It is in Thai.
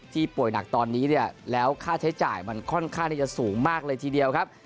ป่วยหนักตอนนี้เนี่ยแล้วค่าใช้จ่ายมันค่อนข้างที่จะสูงมากเลยทีเดียวครับ